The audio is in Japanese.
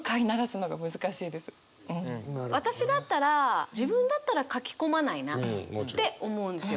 私だったら自分だったら書き込まないなって思うんですよ。